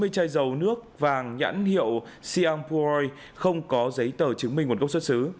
hai trăm bốn mươi chai dầu nước vàng nhãn hiệu siang puroi không có giấy tờ chứng minh nguồn gốc xuất xứ